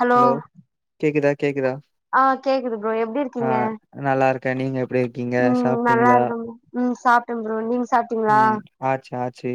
Hello hello கேக்குதா கேக்குதா ஆ கேக்குது ப்ரோ எப்டி ஆ இருக்கீங்க நல்லாருக் ம் நல்லாருக்கம் ம் சாப்ட்ட ப்ரோ நீங் ம் ஆச்சு ஆச்சு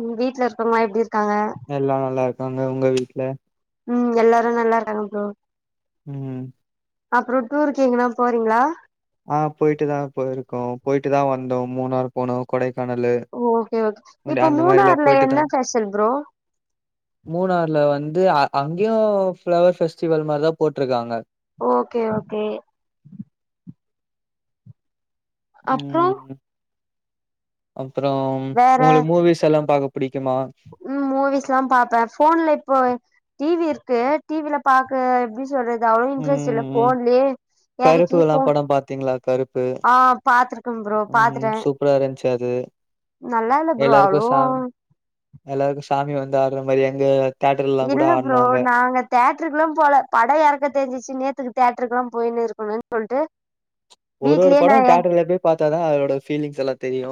ம் வீட்ல இருக்கவ்ங்லா எப்டி இரு எல்லா நல்லா இருக்காங்க உங்க வீட்ல ம் எல்லாரு நல்லாருக்காங்க ப்ரோ ம் அப்றோ டூருக்கு எங்கனா போறீங்ளா ஆ போயிட்டு தா போயிருக்கோ போயிட்டு தா வந்தோ மூணார் போனோ கொடை ஓகே ஓகே இப்ப மாரிலா மூணார்ல போயிட்டுதா என்ன பெஷல் ப்ரோ மூணார்ல வந்து அ அங்கயு ஃப்ளவர் ஃபெஸ்டிவல் மாரிதா போட்ருக்காங்க ஓகே ஓகே அப்றோ ம் அப்பொறம் வேற உங்களுக் மூவிஸ் எல்லா பாக்க புடிக்குமா ம் மூவிஸ்லா பாப்பே ஃபோன்ல இப்போ டிவி இருக்கு டிவில பாக்க எப்டி சொல்றது அவ்ளோவ் இன்டரெஸ்ட் ம் இல்ல ம். ஃபோன்லயே கருப்பு எறக்கி எல்லா ஃபோன் படம் பாத்தீங்களா கருப்பு ஆ பாத்ருக்கம் ப்ரோ ம் பாத்துட்ட சூப்பரா இருந்துச்சு அது நல்லா இல்ல ப்ரோ எல்லாருக்கு அவ்ளவு சாமி எல்லாருக்கு சாமி வந்து ஆட்ற மாரி எங்க தேட்டர்லல்லா கூட இல்ல ப்ரோ ஆடுனாங்க நாங்க தே ட்ருக்லா போல படொ எறக்க தெரிஞ்சிச்சு நேத்துக்கு தேட்ருக்குல்லா போயினு இருக்கணுன் சொல்ட்டு ஒரு ஒரு வீட்லயே நா படொ எ டேட்டர்ல போய் பாத்தாதா அதோட ஃபீலிங்ஸ் எல்லா தெரியு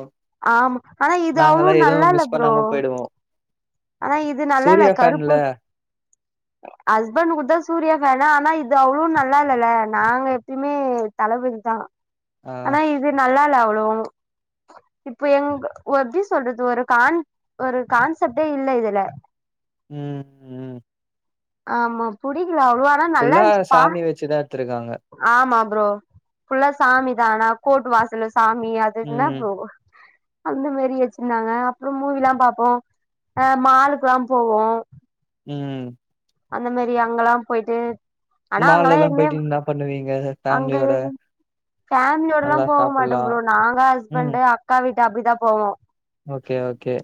ஆமா ஆனா இது நாங்கல்லா அவ்ளோவ் எதுவு நல்லா இல்ல மிஸ் ப்ரோ பண்ணாம போயிடுவோ ஆனா இது நல்லா இல்ல சூர்யா கருப்பு ஃபேன்ல ஹஸ்பண்ட் கூடதா சூர்யா ஃபேனு ஆனா இது அவ்ளோவ் நல்லா இல்லல நாங்க எப்பைமே தளபதிதா ஆ ஆனா இது நல்லால்ல அவ்ளவு இப்ப எங்க ஒ எப்டி சொல்றது ஒரு கான் ஒரு கான்செப்டே இல்ல இதுல ம் ம் ஆமா புடிக்கல அவ்ளவா ஆனா நல்லா ஃபுல்லா இர்ந்த்ச்சுப்பா சாமி வச்சுதா எடுத்திருக்காங்க ஆமா ப்ரோ ஃபுல்லா சாமி தானா கோட்டு வாசல்ல சாமி அதுன்னா ம் ப்ரோ அந்த மேரி வெச்சிர்ந்தாங்க அப்றம் மூவில்லா பாப்போ ஆ மாலுக்லா போவோ ம் அந்த மேரி அங்கல்லா போய்ட்டு மால்லல்லா போய்ட்டு இன்னா பண்ணுவீங்க அங்க ஃபேமிலியோட எது ஃபேமிலியோடல்லா நல்லா போக சாப்புட்லா மாட்டோம் ப்ரோ நாங்க ம் ஹஸ்பண்டு அக்கா வீட்டு அப்டிதா போவோ ஓகே ஓகே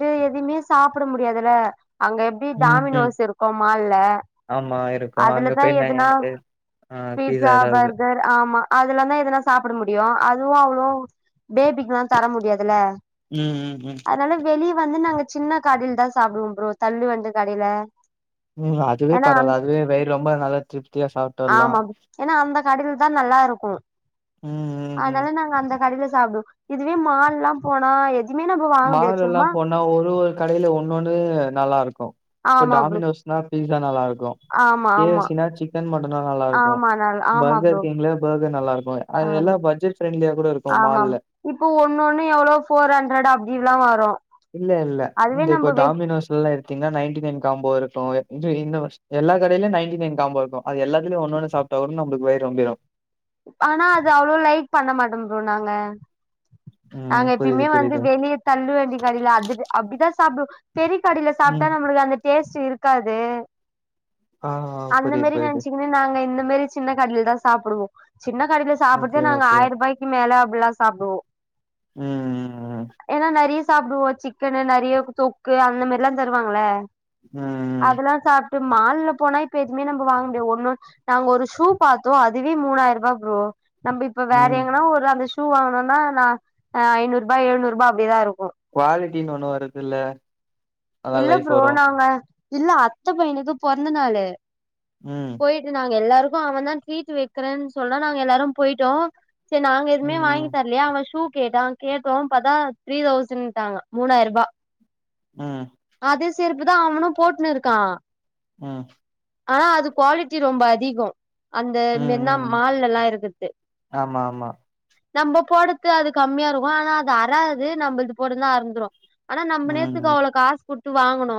டு எதுமே சாப்ட முடியாதுல அங்க எப்டி ம் ம் டாமினோஸ் இருக்கு மால்ல ஆமா இருக்கு அங்க அதுலதா போய் நா எதுனா ஆ பீ ட்சா பர்கர் ஆமா அதுலதா எதுனா சா ப்ட முடியு அதுவு அவ்ளோ பேபிக்குலா தர முடியாதுல ம் ம் ம் அத்னால வெளிய வந்து நாங்க சின்ன கடைல்தா சாப்டுவோம் ப்ரோ தள்ளு வண்டு கடைல ம் அதுவே பரவா அதுவே வயிறு ரொம்ப நல்ல த்ருப் ஆமா ப் ஏன்னா அந்த கடைலதா நல்லா இருக்கு ம் ம் ம் அனால நாங்க அந்த கடைல சாப்டு இதுவே மால்லா போனா எ மாலெல்லா போனா ஒரு ஒரு கடைல ஒன்னொன்னு நல்லா இருக்கு இப்ப ஆமா ப்ரோ டாமினோஸ்னா பீட்சா நல்லா இருக்கு ஆமா கே எஃப் ஆமா சி னா சிக்கன் மட் டுந்தா நல்லா இருக்கு ஆமா நல் ஆமா பர்கர் ப்ரோ கிங்க்ல பர்கர் நல்லா இருக்கு அது எல்லா பட்ஜெட் ஃப்ரண்ட்லியா ஆமாம் இப்பொ ஒண்ணு ஒண்ணு எவ்ளோ ஃபோர் ஹண்ரட் அப்டில்லா வரு இல்ல இல்ல அதுவே இந்த இப்போ நம்ம வெ டாமினோஸ்ல்லா எடுத்தீங்னா நயன்ட்டி நைன் காம்போ இருக்கு [unintelligible] எல்லா கடைலையு நைன்டி நைன் காம்போ இருக்கு அது எல்லாத்லயு ஒன்னு ஒன்னு சாப்ட்டாக் நம்ளுக்கு வயிறு நொம்பிரு ஆனா அது அவ்ளவா லைக் பண்ண மாட்டோம் ப்ரோ நாங்க ம் நாங்க புரியுது எப்பய்மே வந்து புரியுது வெளிய தள்ளு வண்டி கடைல அது அப்டிதா சாப்டுவோ பெரிக் கடைல சாப்ட்டா ம் நம்மளுக்கு அந்த டேஸ்ட்டு இருக்காது ஆ ஆ அந்த புரியுது மேரி புரியுது நெனச்சுக்குனு நாங்க இந்த மேரி சின்ன கடைல தா சாப்டுவோ சின்ன கடைல சாப்புட்டு ஓகே நாங்க ஓகே ஆய்ருபாய்க்கு மேல அப்புட்லா சாப்டுவோ ம் ஏனா நெறைய சாப்டுவோ சிக்கனு நெறைய தொக்கு அந்த மாரில்லா தருவாங்களே ம் ம் அதெல்லா சாப்ட்டு மால்ல போனா இப்ப எதுவுமே நம்ம வாங்க முடியு ஒன்னு நாங்க ஒரு ஷூ பாத்தோ அதுவே மூணாயிரோ ரூபா ப்ரோ நம்ப இப்ப ம் வேற ம் எங்கன்னா ம் ஒரு அந்த ஷூ ஷு வாங்குணுன்னா நா ஐநூருபா எழுநூருபா அப்டிதா இருக் அப்டின்னு ஒண்ணு வருதுல்ல நல்லா இல்ல லைஃப் ப்ரோ வரு நாங்க இல்ல அத்த பையனுக்கு பொறந்த நாளு ம் போயிட்டு நா எல்லாருக்கு அவ தா ட்ரீட் வைக்கிறேன்னு சொல்றா நாங்க எல்லாரு போயிட்டோ செரி நாங்க எதுமே வாங்கி ம் தரலையா அங்க ஷூ கேட்டா கேட்டோ பாதா த்ரீ தௌசண்ட்டாங்க மூணாயிருபா ம் அதே செருப்புதா அவனு போட்னு இருக்கா ம் ஆனா அது குவாலிட்டி ரொம்ப அதிகோ அந்த ம் மெய்ன்னா ம் மால்லல்லா இருக்கறது ஆமா ஆமா நம்ம போட்றது அது கம்மியா இருக்கு ஆனா அது அராது நம்மள்து போட்றதுல்லா அறுந்துடு ஆனா நம்ம ம் நேத்துக்கு ம் அவ்ள காசு குட்த்து வாங்கணு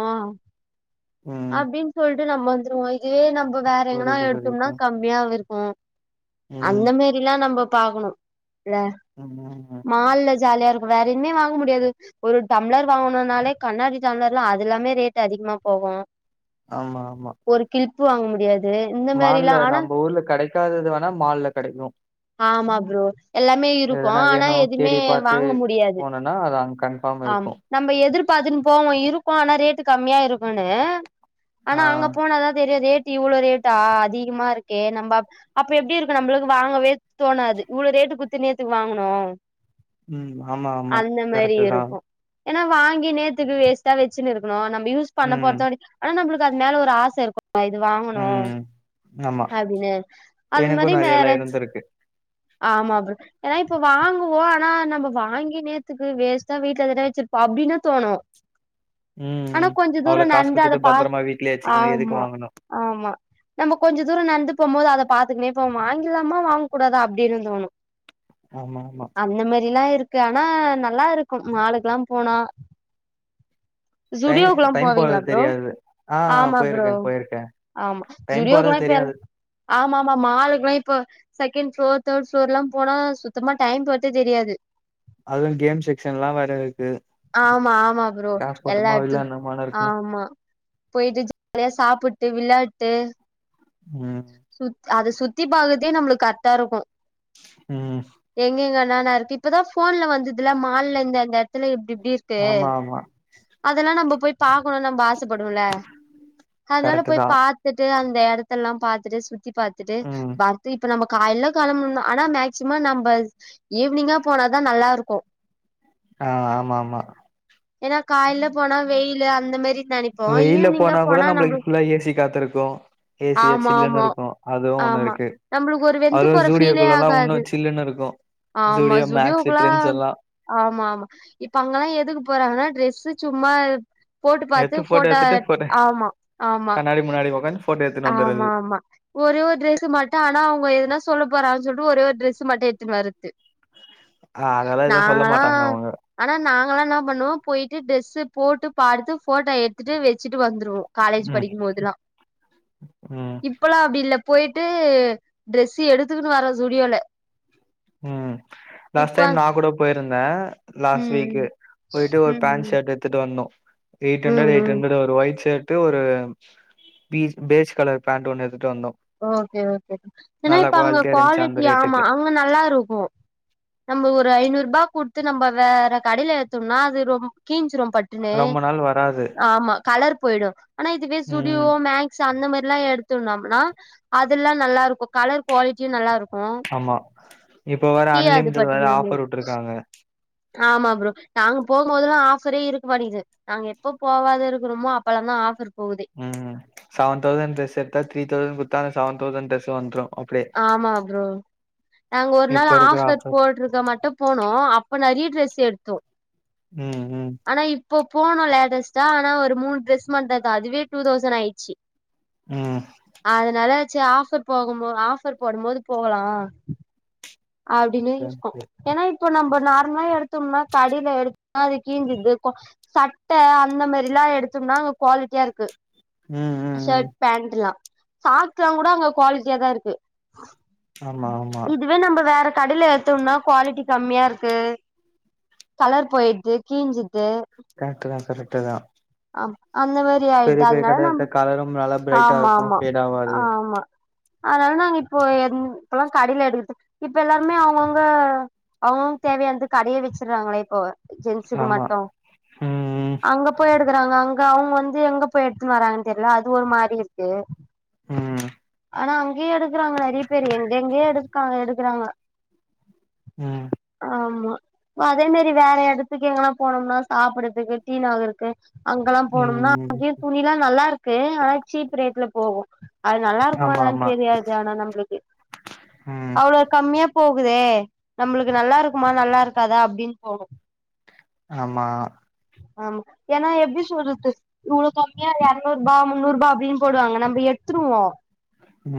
ம் அப்டின்னு சொல் டு நம்ம வந்துருவோ இதுவே நம்ம வேற எங்கனா புரியுது எடுத்தோனா புரியுது கம்மியா இருக்கு ம் ம் அந்த மேரிலா நம்ப பாக்கணு இல்ல ம் ம். மால்ல ஜாலியா இருக்கு வேற இனமே வாங்க முடியாது ஒரு டம்ளர் வாங்கனுனாலே கண்ணாடி டம்ளர்லா அது எல்லாமே ரேட் அதிகமா போகு ஆமா ஆமா ஒரு கிளிப்பு வாங்க முடியாது இந்த மாரிலா மால்ல ஆனா நம்ப ஊர்ல கெடைக்காதது வேணா மால்ல கெடைக்கு ஆமா ப்ரோ எல்லாமே இருக்கு எதனா ஆனா வேணு எதுவுமே தேடி பாத்து வாங்க முடியாது போனோனா அது அங்க கன்ஃபார்ம் ஆமா இருக்கு நம்ம எதிர பாத்துன்னு போவோ இருக்கு ஆனா ரேட்டு கம்மியா இருக்குனு ஆனா ஆ அங்க போனதா தெரியு ரேட்ட டு இவ்ளோ ரேட்டா அதிகமா இருக்கே நம்ப அப் அப்ப எப்டி இருக்கு நம்பளுக்கு வாங்கவே தோணாது இவ்வளவு ரேட் குத்து நேத்துக்கு வாங்கனு ம் ஆமா ஆமா அந்த மாரி கரெக்ட்டு தா இருக்கு ஏன்னா வாங்கி நேத்துக்கு வேஸ்ட்டா வெச்சின்னு இருக்கணு நம்ம யூஸ் பண்ண ம் போறுத்தவை ஆனா நம்ளுக்கு அது மேல ஒரு ஆச இருக்கு நா இது வாங்கணு ம் ஆமா அப்டின்னு அது எனக்கு மாரி வேற நெறையல்லா இருந்திருக்கு ஆமா ப்ரோ ஏன்னா இப்ப வாங்குவோ ஆனா நம்ம வாங்கி நேத்துக்கு வேஸ்ட்டா வீட்லதான வெச்சிருப்போ அப்டின்னு தோணு ஆனா ம் கொஞ்ச தூரோ அவ்ளோ காசு நடந்து அத குடுத்துட்டு பா பத்திரமா வீட்லயே வச்சுக்கணு எதுக்கு ஆமா வாங்கணு ஆமா நம்ப கொஞ்ச தூரோ நடந்து போம்போது அத பாத்துக்கணே போவ வாங்கிலாமா வாங்க கூடாதா அப்டின்னு தோணு ஆமா ஆமா அந்த மேரில்லா இருக்கு ஆனா நல்லா இருக்கு மாலுக்குல்லா போனா டைம் ஜுடியோக்குல்லா டைம் போவீங்களா போறது ப்ரோ தெரியாது ஆ ஆமா ப்ரோ போயிருக்கே போயிருக்கே ஆமா டைம் போறது ஜுடியோக்குல்லா இப்போ எல் தெரியாது ஆமா ஆமா மாலுக்குல்லா இப்ப செகண்ட் ஷோ தேட் ஃப்ளோர்லா போனா சுத்தமா டைம் போரத்தே தெரியாது அதுல கேம் செக்ஷன் எல்லா வேற இருக்கு ஆமா ப்ரோ காசு எல்லா போட்டோமா இடுத்து விளாட்னோமானு இருக்கணு ஆமா போயிட்டு ஜாலியா சாப்புட்டு விளாட்டு ம் அது சுத்தி பாக்கற்தேநம்மளுக்கு கரெக்டா இருக்கும் ம் வேல இருக்கு இப்பதா ஃபோன்ல வந்ததுல மால்ல இந்த இந்த எடத்துல இப்டி இப்டி து ஆமா ஆமா அதெல்லா நம்ம போய் பா கனு நம்ப ஆசைப்படுவோல அதனால கரெக்ட் போய் தா பாத்துட்டு அந்த எடத்த எல்லா பாத்துட்டு சு த்தி பாத்துட்டு ம் பார்த்து இப்ப நம்ப கால்ல கெளம்பணு ஆனா மேக்சிமம் நம்ப ஈவினிங்கா போனாதா நல்லா இருக்கு ஆ ஆமா ஆமா ஏன்னா காய்ல்ல போனா வெயிலு அந்த மேரி வெயில்ல போனா கூட நம்மளுக் ஃபுல்லா ஏசி காத்துருக்கு ஏசியா ஆமா சில்லுன் ஆமா இருக்கு அதுவு ஒண்ணு ஆமா இருக்கு நம்மளுக்கு ஒரு வெந்து அது போற ஃபீலே ஜூடியோக்குள்ளனா உன்னு ஆகாது சில்லுன்னு இருக்கு ஆமா ஜூடியோ மேக்ஸ் சுடியோக்குலா ட்ரெண்ட்ஸ் எல்லா ஆமா ஆமா இப்ப அங்கல்லா எதுக்கு போறாங்கன்னா டிரெஸு சும்மா போட்டு பாத்து எடுத்து போட்டோ ஃபோட்டா எடுத்துட்டு எத் போட்டோ ஆமா ஆமா கண்ணாடி முன்னாடி உக்காந்து போட்டோ எடுத்துன்னு ஆமா வந்துறது ஆமா ஒரே ஒரு டிரெஸ்ஸு மாட்டோ ஆனா அவுங்க எதனா சொல்ல போறான் சொல் டு ஒரே ஒரு ட்ரெஸ்ஸு மட்டு எடுத்துன் வர்ரத்து அதெல்லா எதுவு சொல்ல நாங்களா மாட்டாங்க அவங்க ஆனா நாங்களா இன்னா பண்ணுவோ போயிட்டு டிரெஸு போட்டு பார்த்து ஃபோட்டோ எடுத்துட்டு வச்சிட்டு வந்து ருவோ காலேஜ் ம் படிக்கும்போதுல்லா ம் இப்பல்லா அப்டி இல்லப் போயிட்டு ட்ரெஸ்ஸு எடுத்துக்குன்னு வரோ ஸ்ஸுடுயோல ம் லாஸ்ட் டைம் நா கூட போயிருந்த லாஸ்ட் வீக்கு ம் போயிட்டு ம் ஒரு பேண்ட் ம் ஷர்ட்டு எத்துட்டு வந்தோ எயிட் ம் ஹண்டரட்டு எயிட் ம் ஹண்ட்ரட்டு ஒரு ஒயிட் ஷர்ட்டு ஒரு பீ பேஜ் கலர் பேண்ட்டு ஒன்னு எத் ஓகே ஓகே ஏன்னா இப்ப அங்க குவாலிட்டியா இருந்துச்சு அந்த குவாலிட்டி ஆமா ரேட்டுக்கு. அங்க நல்லா ருக்கு நம்ப ஒரு ஐநூருபா குட்த்து நம்ம வேற கடைல ஏத்தோம்னா அது ரொம் கீஞ்சிரோ பட்டுன்னு ரொம்ப நாள் வராது. ஆமா கலர் போயிடோ ஆனா இதுவே ஸுடியோ ம். மேக்ஸ் அந்த மாரில்லா எடுத்தோண்ணாம்னா அதெல்லா நல்லாருக்கு கலர் குவாலிட்டியு நல்லாருக்கு ஆமா இப்ப வேற கீயாது அன்லிமிடட் வேற பட்டுன்னு ஆஃபர் நம்மளுக்கு வுட்டுருக்காங்க ஆமா ப்ரோ நாங்க போகும்போதெல்லா ஆஃபரே இருக்க மாட்டோங்குது நாங்க எப்போ போவாத இருக்குறோமோ அப்பெல்லா தா ஆஃபர் போகுது ம் சவன் தௌசன் ட்ரெஸ் எடுத்தா த்ரீ தௌசண்ட் குத்தா அந்த சவன் தௌசண்ட் டிரெஸ் வந்துரு ஆமா ப்ரோ நாங்க ஒரு இப்ப நாள் இருக்கிற ஆஃபர் போட்டுருக்க மட்டு போனோ அப்ப நெறிய ட்ரெஸ் எடுத்தோ ம் ம் ஆனா இப்போ போனோ லேட்டஸ்டா ஆனா ஒரு மூண் ட்ரெஸ் மட்டோ எத்த அதுவே டூ தௌசண்ட் ஆயிச்சி ம். அது நல்லா சே ஆஃபர் போகும்போது ஆஃப் ஃபர் போடும் போது போகலா அப்டின்னு இஸ்க்கோ ம், ஏன்னா இப்ப நம்ப நார்மலா எடுத்தோம்னா கடில எடுத்தா அது கீஞ்சிது சட்ட அந்த மேரில் லா எடுத்தோம்னா அங்க குவாலிட்டியாருக்கு ம், ம். ஷர்ட் பேண்ட்டுல்லா சாக்ஸ்ல்லா கூட அங்க குவாலிட்டியாதாருக்கு ஆமா ஆமா வேற கடைல ஏத்தோம்னா குவாலிட்டி கம்மியா இருக்கு கலர் போயிட்த்து கீஞ்சித்து கரெக்ட்டு தா கரெக்ட்டு தா அந்த மேரி ஆயிட்து அதனால நம்ப கலரும் நல்லா பிரைட்டா ஆமா இருக்கு ஆமா ஃபேட் ஆவாது ஆமா அதனால நாங்க இப்போ எங் இப்போல்லா கடைல எடுக்குற்துக் இப்ப எல்லாருமே அவங்கவுங்க அவங்கவுங்க் தேவையான்ந்து கடையே வெச்சிடுறாங்களே இப்போ ஜென்ஸுக்கு ஆமா மட்டு ம் அங்க போய் எடு த்துக்குறாங்க அங்க அவுங்க வந்து எங்க போய் எட்த்துன்னு வர்ராங்கன் தெரில அது ஒரு மாரி இருக்கு ம் ஆனா அங்கயே எடுக்கறாங்க நெறைய பேரு எங்க எங்கயோ எடுக்காங்க எடுக் குறாங்க ம் ஆமா அதே மேரி வேற எடத்துக்கு எங்கனா போனோம்னா சாப்புடுறதுக்கு டீநகர்க்கு அங்கல்லா போனம்னா ம் அங்கயு துணிலா நல்லாருக்கு ஆனா சீப் ரேட்ல போகு அது நல்லாருக்குமா ஆமா என்னனு ஆமா தெரியாது ஆனா நம்பளுக்கு ம் அவ்வளவு கம்மியா போகுதே நம்மளுக்கு நல்லாருக்குமா நல்லாருக்காதா அப்டின் தோணு ஆமா ஆமா ஏன்னா எப்டி சொல்றது இவ்ளோ கம்மியா எரநூருபா முன்னூருபா அப்டின் போடுவாங்க நம்ப எத் துருவோ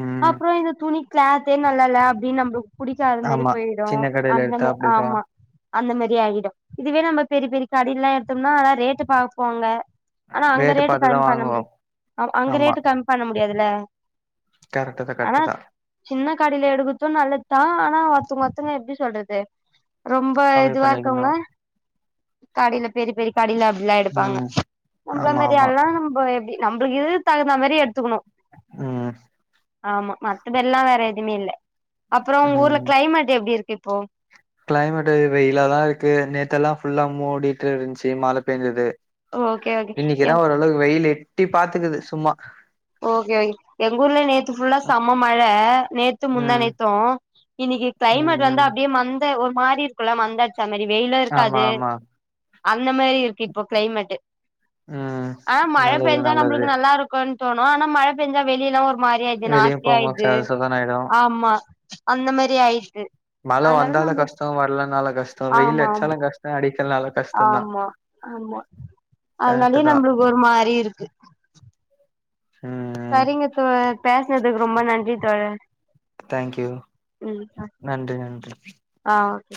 ம் அப்புறோ இந்த துணி கிளேத்தே நல்லால்ல அப்டின் நம்ளுக் புடிக்காத மேரி ஆமா போய்டு சின்ன கடையில அந்த எடுத்தா மே அப்டிதா ஆமா அந்த மேரி ஆகிடு இதுவே நம்ம பெரிப் பெரி கடைல்லா எடுத்தோம்னா அதா ரேட்டு பாப்போங்க ஆனா அங்க ரேட்டு பாத்துதா கம்மி பண்ண வாங்குவோ முடி அ அங்க ரேட்டு கம்மி பண்ண முடியாதுல்ல கரெக்ட்டு கரெக்ட்டுதா சின்ன கடைல எடுக்கத்து நல்லத்தா ஆனா ஒத்தங்க ஒத்தங்க எப்டி சொல்றது ரொம்ப கம்மி இதுவா பண்ணிக்கணு இருக்கவங்க கடைல பெரி பெரி கடைல அ ல்லா எடுப்பாங்க ம் நம்ப்ள ஆமா மாறி ஆமா ஆள்லா நம்ப எப்டி நம்ப்ளுக் இதுக் தகுந்த மாறி எடுத்துக்கணு ம் ஆமா மத்தபெல்லா வேற எதுமே இல்ல அப்பறொ உங்க ஊர்ல க்ளைமேட் எப்டி இருக்கு இப்போ க்ளைமெட்டு வெயிலாதா இருக்கு நேத்தல்லா ஃபுல்லா மூடிட்டு இருந்த்ச்சு மழைழ பேஞ்சது ஓகே ஓகே இன்னக்கிதா ஓரளவு வெயில் எட்டி பாத்துக்குது சும்மா ஓகே ஓ எங்கூர்லயு நேத்து ஃபுல்லா செம்ம மழ நேத்து முந்தா ம் நேத்து இன்னக்கி ம் க்ளைமேட் வந்து ம். அப்டியே மந்த ஒரு மாறி இருக்குல்ல மந்த த மாரி வெயிலு ஆமா இருக்காது ஆமா அந்த மாறி இருக்கு இப்போ க்ளைமேட்டு ம் ஆ மழ நல்லது பேஞ்சா நல்லது நம்ப்ளுக்கு நல்லா இருக்குன் தோணு ஆனா மழ பேஞ்சா வெளிலா ஒரு மாறி ஆய்து வெளிய நாஸ்த்தி போம்போது ச ஆய்ட்து சதனாயிடு ஆமா அந்த மாறி ஆய் மழ வந்தாலே கஷ்டொ வர்லனால கஷ்டொ வெயில் ஆமா ஆமா அட்ச்சாலு கஷ்டொ அடிக் ஆமா ஆமா அதனாலியே கரெக்ட்டு தா நம்ப்ளுக்கு ஒரு மாறி இருக்கு ம் சரிங்க தோழர் பேஸ்னதுக்கு ரொம்ப நன்றி தோழர் தய்ங்க்யூ ம் நன்றி நன்றி ஆ ஓகே